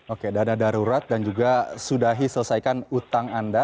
oke dana darurat dan juga sudahi selesaikan utang anda